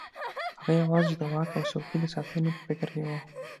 هغه یوازې د واک او څوکۍ د ساتنې په فکر کې وو.